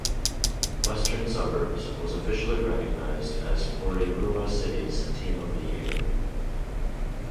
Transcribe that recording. Western Suburbs was officially recognised as Porirua City's Team of the Year.